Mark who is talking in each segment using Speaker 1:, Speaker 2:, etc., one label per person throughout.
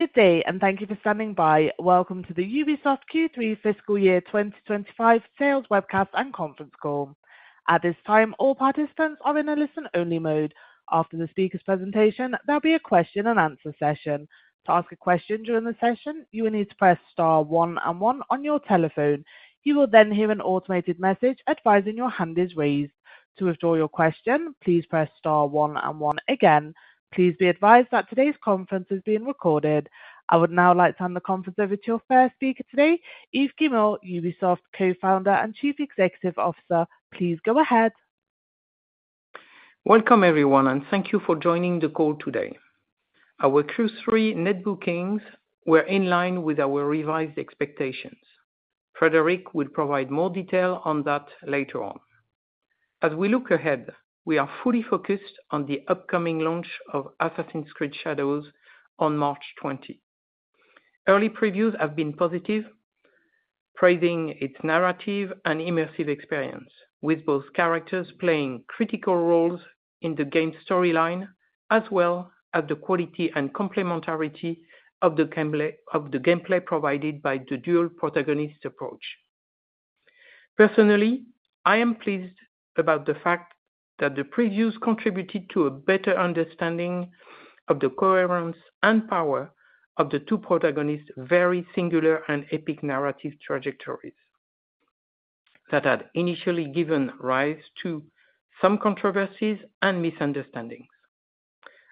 Speaker 1: Good day, and thank you for standing by. Welcome to the Ubisoft Q3 Fiscal Year 2025 Sales Webcast and Conference Call. At this time, all participants are in a listen-only mode. After the speaker's presentation, there'll be a question-and-answer session. To ask a question during the session, you will need to press star one and one on your telephone. You will then hear an automated message advising your hand is raised. To withdraw your question, please press star one and one again. Please be advised that today's conference is being recorded. I would now like to hand the conference over to our first speaker today, Yves Guillemot, Ubisoft Co-founder and Chief Executive Officer. Please go ahead.
Speaker 2: Welcome, everyone, and thank you for joining the call today. Our Q3 net bookings were in line with our revised expectations. Frédérick will provide more detail on that later on. As we look ahead, we are fully focused on the upcoming launch of Assassin's Creed Shadows on March 20. Early previews have been positive, praising its narrative and immersive experience, with both characters playing critical roles in the game's storyline as well as the quality and complementarity of the gameplay provided by the dual protagonist approach. Personally, I am pleased about the fact that the previews contributed to a better understanding of the coherence and power of the two protagonists' very singular and epic narrative trajectories that had initially given rise to some controversies and misunderstandings.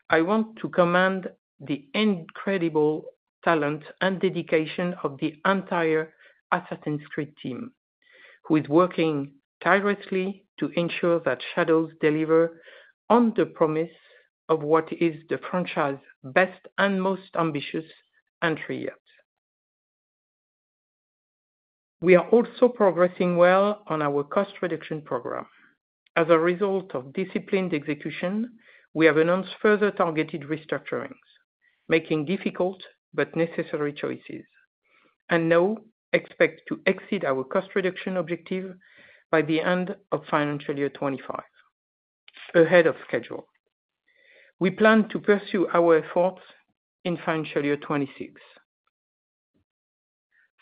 Speaker 2: I want to commend the incredible talent and dedication of the entire Assassin's Creed team, who is working tirelessly to ensure that Shadows delivers on the promise of what is the franchise's best and most ambitious entry yet. We are also progressing well on our cost reduction program. As a result of disciplined execution, we have announced further targeted restructurings, making difficult but necessary choices, and now expect to exceed our cost reduction objective by the end of financial year 2025, ahead of schedule. We plan to pursue our efforts in financial year 2026.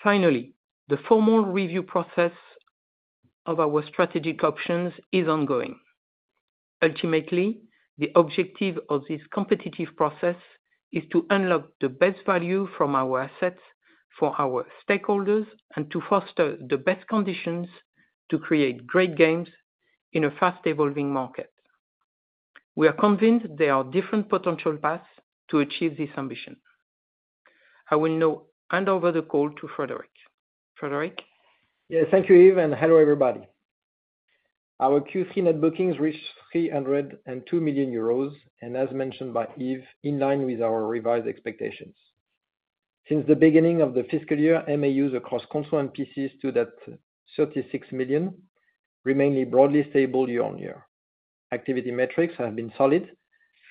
Speaker 2: Finally, the formal review process of our strategic options is ongoing. Ultimately, the objective of this competitive process is to unlock the best value from our assets for our stakeholders and to foster the best conditions to create great games in a fast-evolving market. We are convinced there are different potential paths to achieve this ambition. I will now hand over the call to Frédérick. Frédérick?
Speaker 3: Yeah, thank you, Yves, and hello, everybody. Our Q3 net bookings reached 302 million euros, and as mentioned by Yves, in line with our revised expectations. Since the beginning of the fiscal year, MAUs across consoles and PC stood at 36 million remain broadly stable year-on-year. Activity metrics have been solid,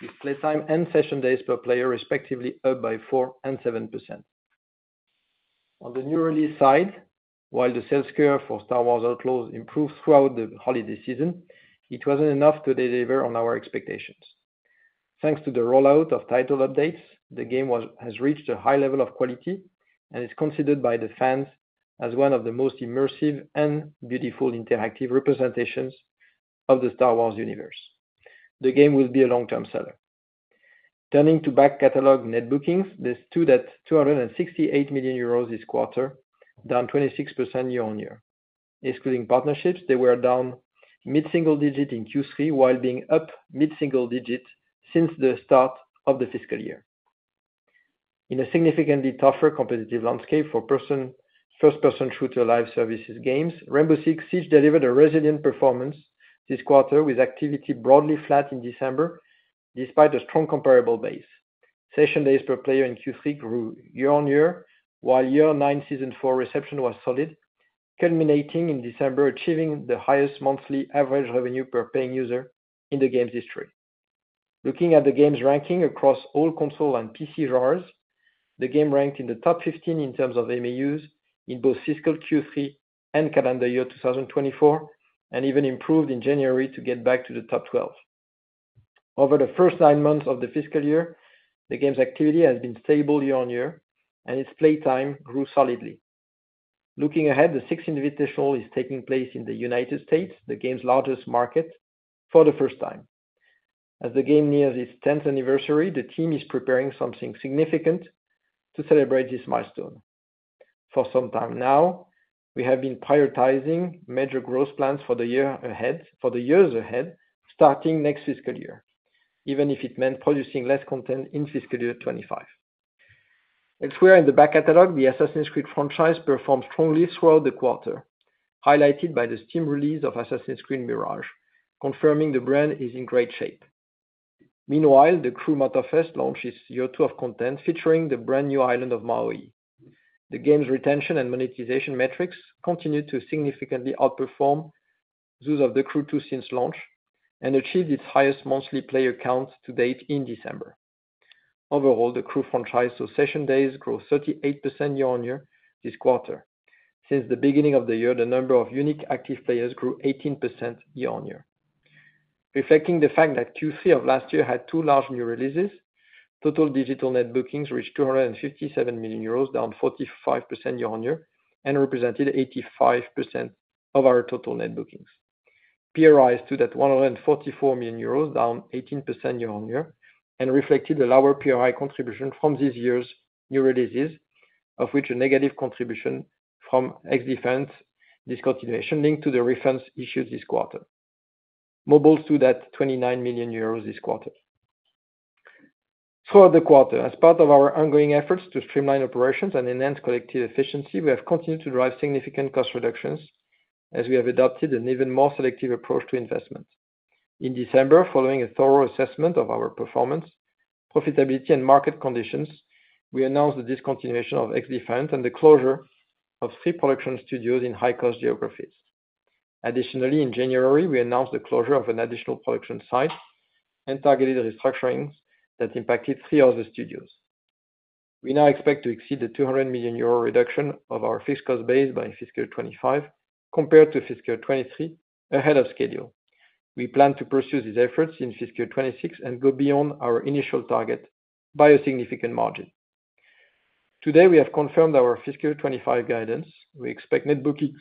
Speaker 3: with playtime and session days per player respectively up by 4% and 7%. On the new release side, while the sales curve for Star Wars Outlaws improved throughout the holiday season, it wasn't enough to deliver on our expectations. Thanks to the rollout of title updates, the game has reached a high level of quality and is considered by the fans as one of the most immersive and beautiful interactive representations of the Star Wars universe. The game will be a long-term seller. Turning to back catalog net bookings, they stood at 268 million euros this quarter, down 26% year-on-year. Excluding partnerships, they were down mid-single digit in Q3 while being up mid-single digit since the start of the fiscal year. In a significantly tougher competitive landscape for first-person shooter live services games, Rainbow Six Siege delivered a resilient performance this quarter, with activity broadly flat in December despite a strong comparable base. Session days per player in Q3 grew year-on-year, while Year 9 Season 4 reception was solid, culminating in December achieving the highest monthly average revenue per paying user in the game's history. Looking at the game's ranking across all console and PC genres, the game ranked in the top 15 in terms of MAUs in both fiscal Q3 and calendar year 2024, and even improved in January to get back to the top 12. Over the first nine months of the fiscal year, the game's activity has been stable year-on-year, and its playtime grew solidly. Looking ahead, the Six Invitational is taking place in the United States, the game's largest market, for the first time. As the game nears its 10th anniversary, the team is preparing something significant to celebrate this milestone. For some time now, we have been prioritizing major growth plans for the years ahead starting next fiscal year, even if it meant producing less content in fiscal year 2025. Elsewhere in the back catalog, the Assassin's Creed franchise performed strongly throughout the quarter, highlighted by the Steam release of Assassin's Creed Mirage, confirming the brand is in great shape. Meanwhile, The Crew Motorfest launched its year two of content featuring the brand new island of Maui. The game's retention and monetization metrics continued to significantly outperform those of The Crew 2 since launch and achieved its highest monthly player count to date in December. Overall, The Crew franchise saw session days grow 38% year-on-year this quarter. Since the beginning of the year, the number of unique active players grew 18% year-on-year. Reflecting the fact that Q3 of last year had two large new releases, total digital net bookings reached 257 million euros, down 45% year-on-year, and represented 85% of our total net bookings. PRIs stood at 144 million euros, down 18% year-on-year, and reflected a lower PRI contribution from this year's new releases, of which a negative contribution from XDefiant discontinuation linked to the refunds issued this quarter. Mobile stood at 29 million euros this quarter. Throughout the quarter, as part of our ongoing efforts to streamline operations and enhance collective efficiency, we have continued to drive significant cost reductions as we have adopted an even more selective approach to investment. In December, following a thorough assessment of our performance, profitability, and market conditions, we announced the discontinuation of XDefiant and the closure of three production studios in high-cost geographies. Additionally, in January, we announced the closure of an additional production site and targeted restructurings that impacted three other studios. We now expect to exceed the 200 million euro reduction of our fixed cost base by fiscal year 2025 compared to fiscal year 2023 ahead of schedule. We plan to pursue these efforts in fiscal year 2026 and go beyond our initial target by a significant margin. Today, we have confirmed our fiscal year 2025 guidance. We expect net bookings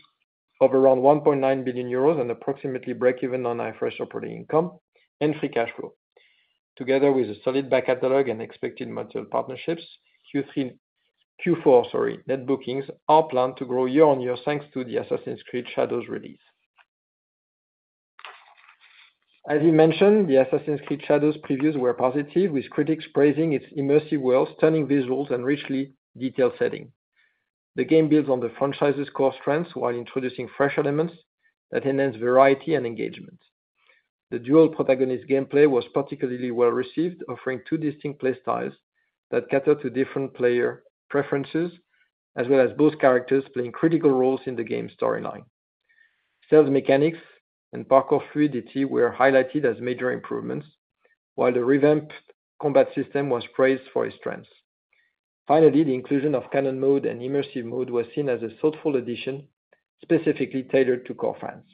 Speaker 3: of around 1.9 billion euros and approximately break-even on adjusted operating income and free cash flow. Together with a solid back catalog and expected multiple partnerships, Q4 net bookings are planned to grow year-on-year thanks to the Assassin's Creed Shadows release. As we mentioned, the Assassin's Creed Shadows previews were positive, with critics praising its immersive world, stunning visuals, and richly detailed setting. The game builds on the franchise's core strengths while introducing fresh elements that enhance variety and engagement. The dual protagonist gameplay was particularly well received, offering two distinct play styles that cater to different player preferences, as well as both characters playing critical roles in the game's storyline. Stealth mechanics and parkour fluidity were highlighted as major improvements, while the revamped combat system was praised for its strengths. Finally, the inclusion of Canon Mode and Immersive Mode was seen as a thoughtful addition specifically tailored to core fans.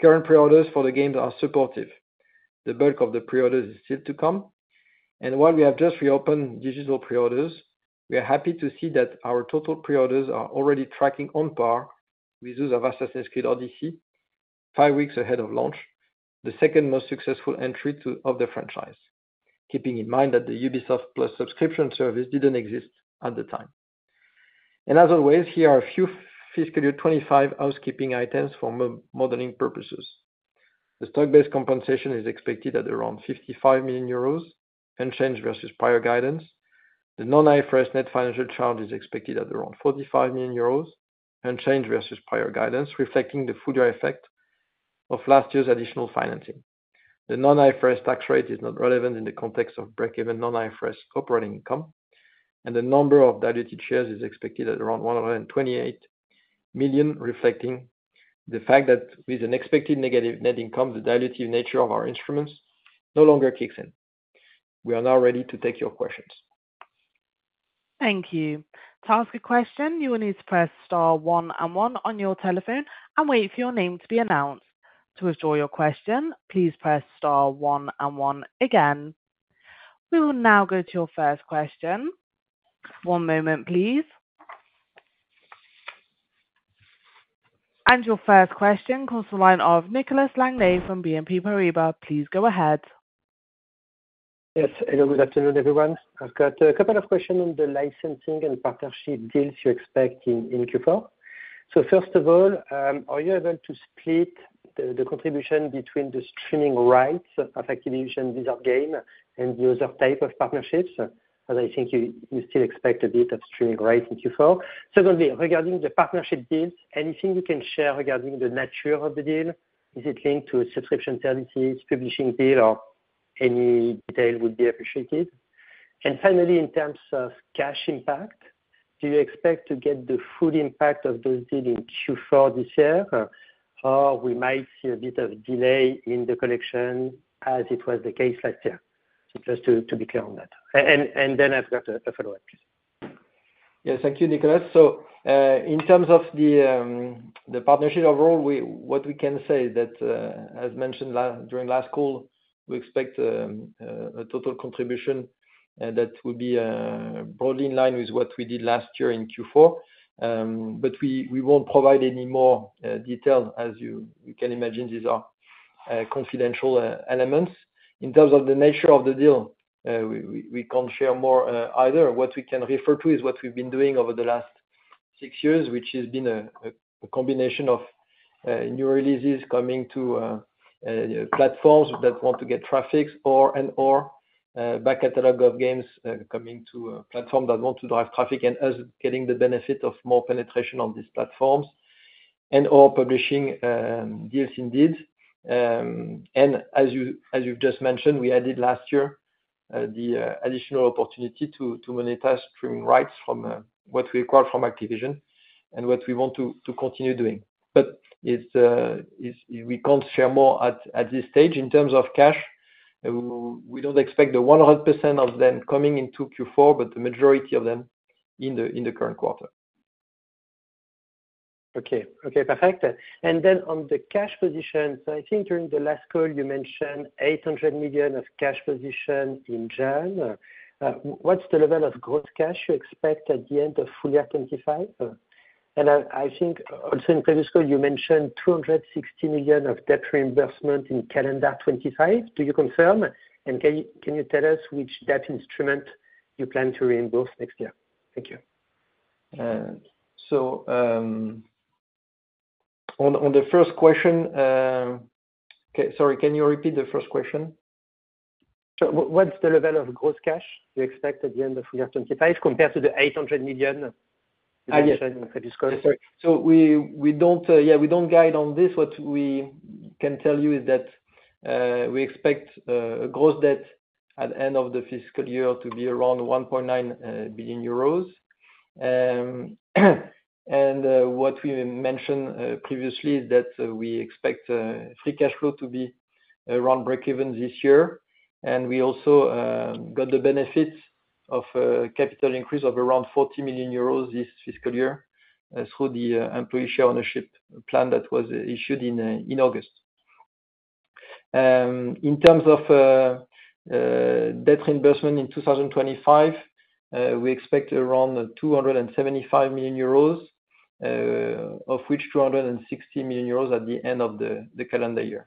Speaker 3: Current preorders for the games are supportive. The bulk of the preorders is still to come, and while we have just reopened digital preorders, we are happy to see that our total preorders are already tracking on par with those of Assassin's Creed Odyssey, five weeks ahead of launch, the second most successful entry of the franchise, keeping in mind that the Ubisoft Plus subscription service didn't exist at the time, and as always, here are a few fiscal year 2025 housekeeping items for modeling purposes. The stock-based compensation is expected at around 55 million euros and change versus prior guidance. The non-IFRS net financial charge is expected at around 45 million euros and change versus prior guidance, reflecting the full-year effect of last year's additional financing. The Non-IFRS tax rate is not relevant in the context of break-even Non-IFRS operating income. And the number of diluted shares is expected at around 128 million, reflecting the fact that with an expected negative net income, the dilutive nature of our instruments no longer kicks in. We are now ready to take your questions.
Speaker 1: Thank you. To ask a question, you will need to press star one and one on your telephone and wait for your name to be announced. To withdraw your question, please press star one and one again. We will now go to your first question. One moment, please. And your first question comes from the line of Nicolas Langlet from BNP Paribas. Please go ahead.
Speaker 4: Yes, hello, good afternoon, everyone. I've got a couple of questions on the licensing and partnership deals you expect in Q4. So first of all, are you able to split the contribution between the streaming rights of Activision Blizzard games and the other type of partnerships? As I think you still expect a bit of streaming rights in Q4. Secondly, regarding the partnership deals, anything you can share regarding the nature of the deal? Is it linked to subscription services, publishing deal, or any detail would be appreciated? And finally, in terms of cash impact, do you expect to get the full impact of those deals in Q4 this year, or we might see a bit of delay in the collection as it was the case last year? Just to be clear on that. And then I've got a follow-up, please.
Speaker 3: Yes, thank you, Nicolas. So in terms of the partnership overall, what we can say is that, as mentioned during last call, we expect a total contribution that will be broadly in line with what we did last year in Q4. But we won't provide any more details, as you can imagine, these are confidential elements. In terms of the nature of the deal, we can't share more either. What we can refer to is what we've been doing over the last six years, which has been a combination of new releases coming to platforms that want to get traffic and/or back catalog of games coming to platforms that want to drive traffic and us getting the benefit of more penetration on these platforms and/or publishing deals indeed. And as you've just mentioned, we added last year the additional opportunity to monitor streaming rights from what we acquired from Activision and what we want to continue doing. But we can't share more at this stage. In terms of cash, we don't expect the 100% of them coming into Q4, but the majority of them in the current quarter.
Speaker 4: Okay, okay, perfect. And then on the cash position, so I think during the last call, you mentioned 800 million of cash position in June. What's the level of gross cash you expect at the end of full year 2025? And I think also in previous call, you mentioned 260 million of debt reimbursement in calendar 2025. Do you confirm? And can you tell us which debt instrument you plan to reimburse next year? Thank you.
Speaker 3: So on the first question, sorry, can you repeat the first question?
Speaker 4: So what's the level of gross cash you expect at the end of full year 2025 compared to the 800 million you mentioned in previous call?
Speaker 3: So yeah, we don't guide on this. What we can tell you is that we expect gross debt at the end of the fiscal year to be around 1.9 billion euros, and what we mentioned previously is that we expect free cash flow to be around break-even this year, and we also got the benefit of a capital increase of around 40 million euros this fiscal year through the Employee Share Ownership Plan that was issued in August. In terms of debt reimbursement in 2025, we expect around 275 million euros, of which 260 million euros at the end of the calendar year.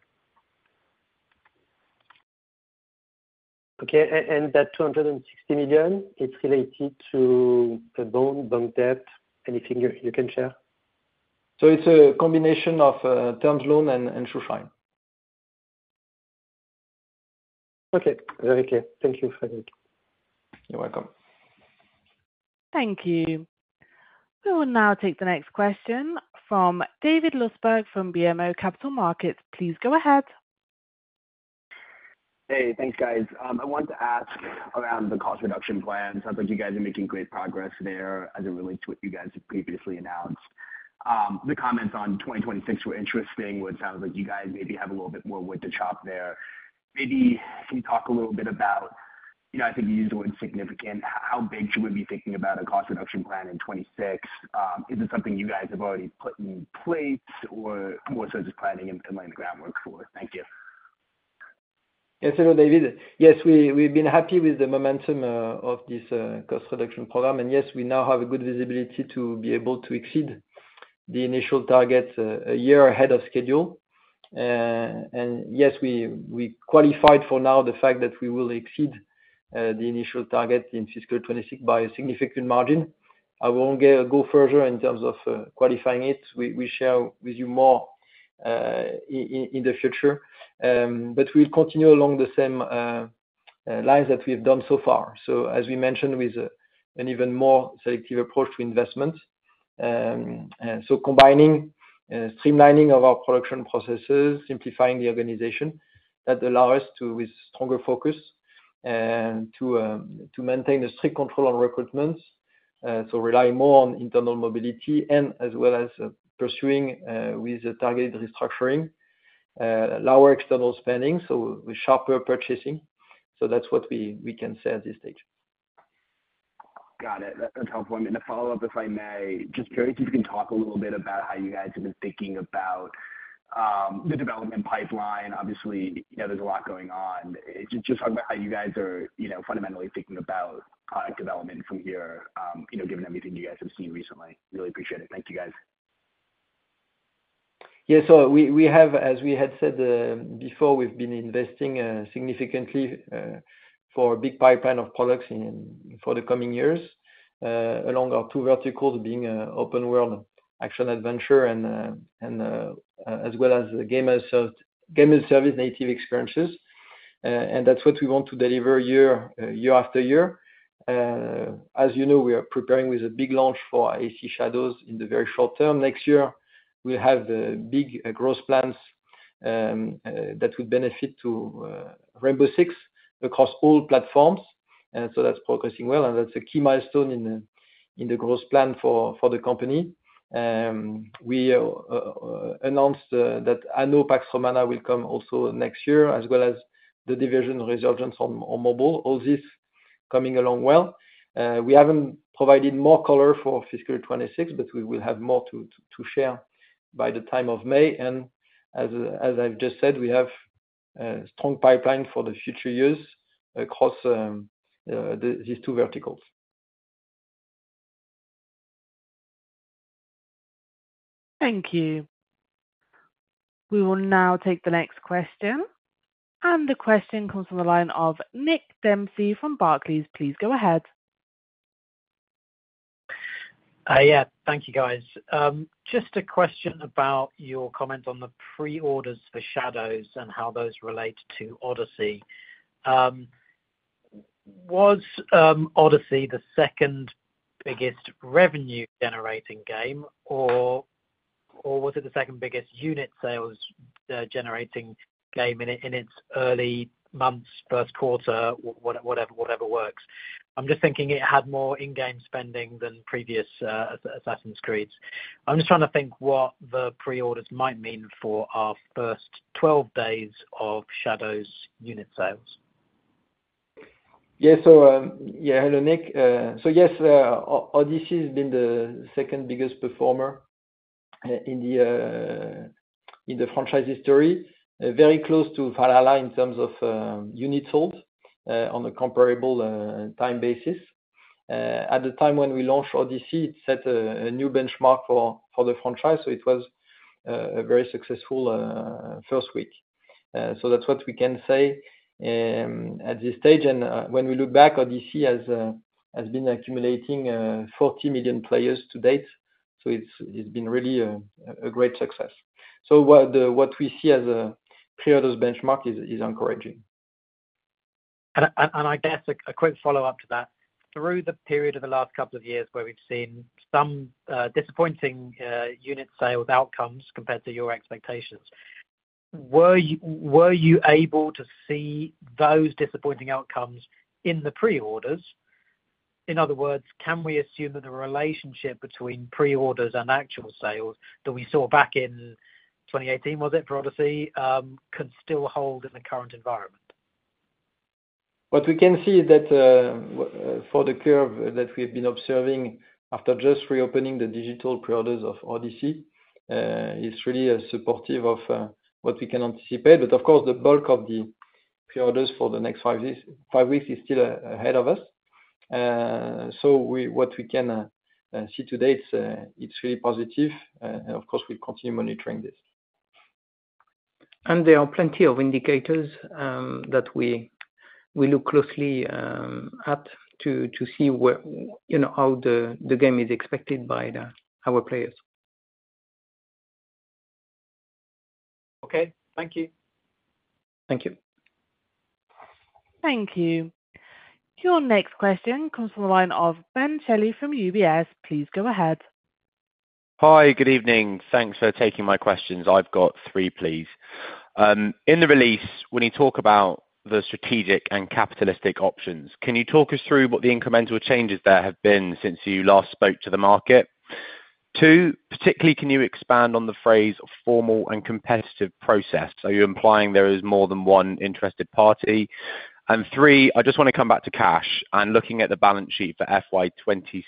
Speaker 4: Okay, and that 260 million, it's related to the loan, bank debt, anything you can share?
Speaker 3: It's a combination of term loan and Schuldschein.
Speaker 4: Okay, very clear. Thank you, Frédérick.
Speaker 3: You're welcome.
Speaker 1: Thank you. We will now take the next question from David Lustberg from BMO Capital Markets. Please go ahead.
Speaker 5: Hey, thanks, guys. I want to ask around the cost reduction plan. It sounds like you guys are making great progress there as it relates to what you guys have previously announced. The comments on 2026 were interesting, which sounds like you guys maybe have a little bit more wood to chop there. Maybe can you talk a little bit about, I think you used the word significant, how big should we be thinking about a cost reduction plan in 2026? Is it something you guys have already put in place, or more so just planning and laying the groundwork for? Thank you.
Speaker 3: Yes, hello, David. Yes, we've been happy with the momentum of this cost reduction program. And yes, we now have a good visibility to be able to exceed the initial target a year ahead of schedule. And yes, we qualified for now the fact that we will exceed the initial target in fiscal 2026 by a significant margin. I won't go further in terms of qualifying it. We'll share with you more in the future. But we'll continue along the same lines that we've done so far. So as we mentioned, with an even more selective approach to investments, so combining, streamlining of our production processes, simplifying the organization, that allows us to, with stronger focus, to maintain a strict control on recruitments, so rely more on internal mobility and as well as pursuing with targeted restructuring, lower external spending, so sharper purchasing. So that's what we can say at this stage.
Speaker 5: Got it. That's helpful. And a follow-up, if I may, just curious if you can talk a little bit about how you guys have been thinking about the development pipeline. Obviously, there's a lot going on. Just talk about how you guys are fundamentally thinking about product development from here, given everything you guys have seen recently. Really appreciate it. Thank you, guys.
Speaker 3: Yeah, so we have, as we had said before, we've been investing significantly for a big pipeline of products for the coming years, along our two verticals being open world action adventure and as well as gamer service native experiences. And that's what we want to deliver year after year. As you know, we are preparing with a big launch for AC Shadows in the very short term. Next year, we'll have big growth plans that would benefit to Rainbow Six across all platforms. So that's progressing well. And that's a key milestone in the growth plan for the company. We announced that Anno 117: Pax Romana will come also next year, as well as The Division Resurgence on mobile. All this coming along well. We haven't provided more color for fiscal year 2026, but we will have more to share by the time of May. As I've just said, we have a strong pipeline for the future years across these two verticals.
Speaker 1: Thank you. We will now take the next question. The question comes from the line of Nick Dempsey from Barclays. Please go ahead.
Speaker 6: Hi, yeah, thank you, guys. Just a question about your comment on the preorders for Shadows and how those relate to Odyssey. Was Odyssey the second biggest revenue-generating game, or was it the second biggest unit sales-generating game in its early months, Q1, whatever works? I'm just thinking it had more in-game spending than previous Assassin's Creeds. I'm just trying to think what the preorders might mean for our first 12 days of Shadows unit sales?
Speaker 3: Hello, Nick. Yes, Odyssey has been the second biggest performer in the franchise history, very close to Valhalla in terms of units sold on a comparable time basis. At the time when we launched Odyssey, it set a new benchmark for the franchise, so it was a very successful first week. That's what we can say at this stage. And when we look back, Odyssey has been accumulating 40 million players to date, so it's been really a great success. What we see as a preorders benchmark is encouraging.
Speaker 6: And I guess a quick follow-up to that. Through the period of the last couple of years where we've seen some disappointing unit sales outcomes compared to your expectations, were you able to see those disappointing outcomes in the preorders? In other words, can we assume that the relationship between preorders and actual sales that we saw back in 2018, was it, for Odyssey, can still hold in the current environment?
Speaker 3: What we can see is that for the curve that we have been observing after just reopening the digital preorders of Odyssey, it's really supportive of what we can anticipate. But of course, the bulk of the preorders for the next five weeks is still ahead of us. So, what we can see today, it's really positive. And of course, we'll continue monitoring this.
Speaker 6: There are plenty of indicators that we look closely at to see how the game is expected by our players.
Speaker 3: Okay, thank you.
Speaker 4: Thank you.
Speaker 1: Thank you. Your next question comes from the line of Ben Shelley from UBS. Please go ahead.
Speaker 7: Hi, good evening. Thanks for taking my questions. I've got three, please. In the release, when you talk about the strategic and capital allocation options, can you talk us through what the incremental changes there have been since you last spoke to the market? Two, particularly, can you expand on the phrase formal and competitive process? Are you implying there is more than one interested party? And three, I just want to come back to cash and looking at the balance sheet for FY26.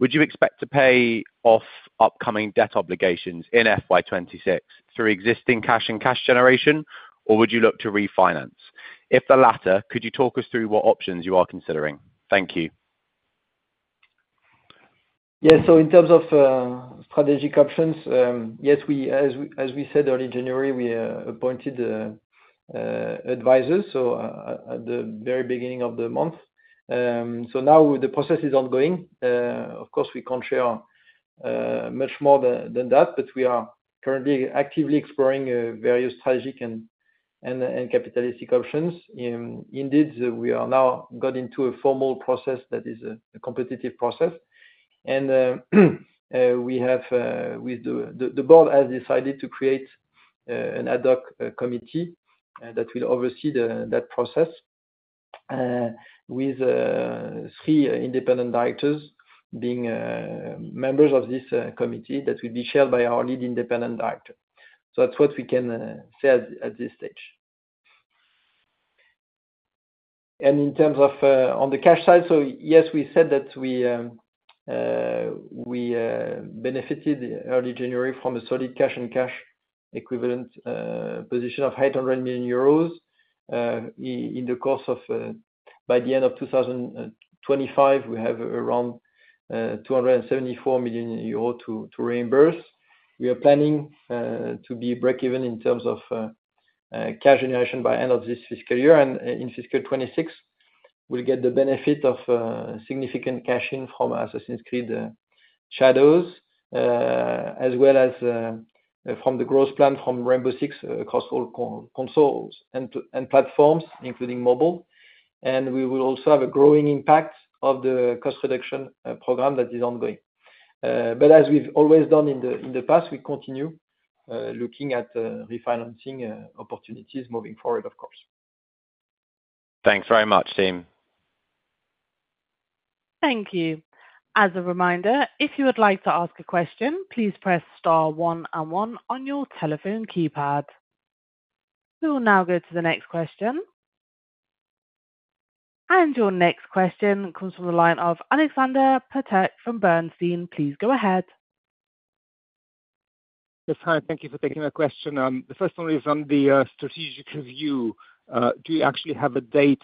Speaker 7: Would you expect to pay off upcoming debt obligations in FY26 through existing cash and cash generation, or would you look to refinance? If the latter, could you talk us through what options you are considering? Thank you.
Speaker 3: Yeah, so in terms of strategic options, yes, as we said early January, we appointed advisors at the very beginning of the month, so now the process is ongoing. Of course, we can't share much more than that, but we are currently actively exploring various strategic and capitalistic options. Indeed, we are now got into a formal process that is a competitive process, and the board has decided to create an ad hoc committee that will oversee that process with three independent directors being members of this committee that will be shared by our lead independent director, so that's what we can say at this stage, and in terms of on the cash side, yes, we said that we benefited early January from a solid cash and cash equivalent position of 800 million euros. In the course of by the end of 2025, we have around 274 million euro to reimburse. We are planning to be break-even in terms of cash generation by end of this fiscal year, and in fiscal 2026, we'll get the benefit of significant cash in from Assassin's Creed Shadows, as well as from the growth plan from Rainbow Six across all consoles and platforms, including mobile, and we will also have a growing impact of the cost reduction program that is ongoing, but as we've always done in the past, we continue looking at refinancing opportunities moving forward, of course.
Speaker 7: Thanks very much, team.
Speaker 1: Thank you. As a reminder, if you would like to ask a question, please press star one and one on your telephone keypad. We will now go to the next question, and your next question comes from the line of Alexander Peterc from Bernstein. Please go ahead.
Speaker 8: Yes, hi, thank you for taking my question. The first one is on the strategic review. Do you actually have a date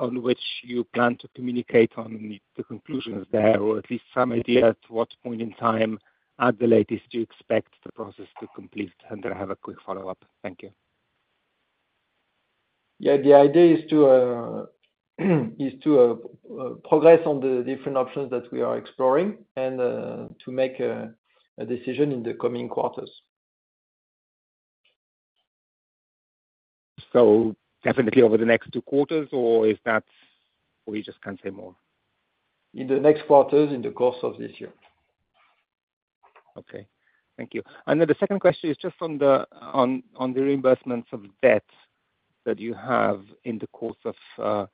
Speaker 8: on which you plan to communicate on the conclusions there, or at least some idea at what point in time, at the latest, do you expect the process to complete? And then I have a quick follow-up. Thank you.
Speaker 3: Yeah, the idea is to progress on the different options that we are exploring and to make a decision in the coming quarters.
Speaker 8: So, definitely over the next two quarters, or is that we just can't say more?
Speaker 3: In the next quarters, in the course of this year.
Speaker 8: Okay, thank you. And then the second question is just on the reimbursements of debt that you have in the course of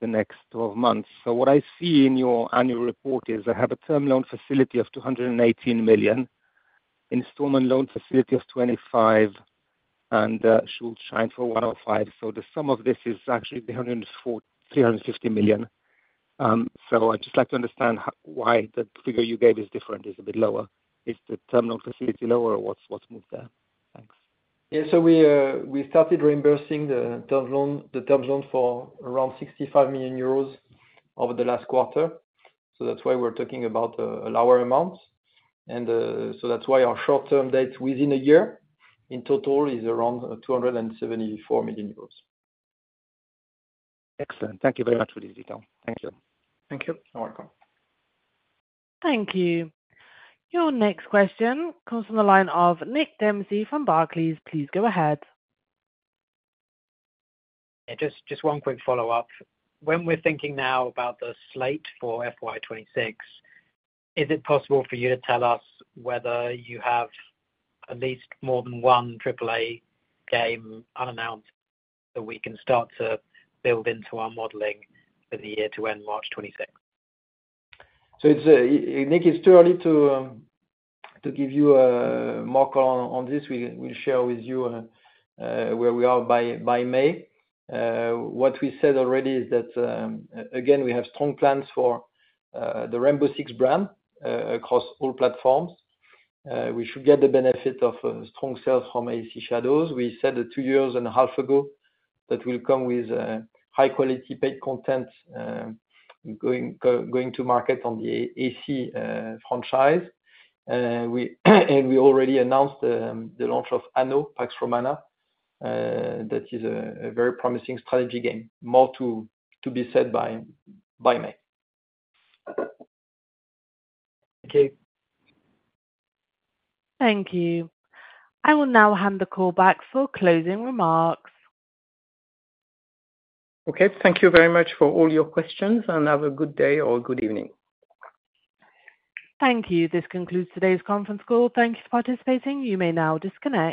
Speaker 8: the next 12 months. So, what I see in your annual report is I have a term loan facility of 218 million, installment loan facility of 25 million, and Schuldschein for 105 million. So, the sum of this is actually 350 million. So, I'd just like to understand why the figure you gave is different, is a bit lower. Is the term loan facility lower, or what's moved there? Thanks.
Speaker 3: Yeah, so we started reimbursing the term loan for around 65 million euros over the last quarter. So that's why we're talking about a lower amount. And so that's why our short-term debt within a year in total is around 274 million euros.
Speaker 8: Excellent. Thank you very much for this detail.
Speaker 3: Thank you.
Speaker 8: Thank you.
Speaker 3: You're welcome.
Speaker 1: Thank you. Your next question comes from the line of Nick Dempsey from Barclays. Please go ahead.
Speaker 6: Yeah, just one quick follow-up. When we're thinking now about the slate for FY26, is it possible for you to tell us whether you have at least more than one AAA game unannounced that we can start to build into our modeling for the year to end March 2026?
Speaker 3: So, Nick, it's too early to give you a mock-up on this. We'll share with you where we are by May. What we said already is that, again, we have strong plans for the Rainbow Six brand across all platforms. We should get the benefit of strong sales from AC Shadows. We said two years and a half ago that we'll come with high-quality paid content going to market on the AC franchise. And we already announced the launch of Anno 117: Pax Romana that is a very promising strategy game. More to be said by May.
Speaker 6: Thank you.
Speaker 1: Thank you. I will now hand the call back for closing remarks.
Speaker 2: Okay, thank you very much for all your questions, and have a good day or a good evening.
Speaker 1: Thank you. This concludes today's conference call. Thank you for participating. You may now disconnect.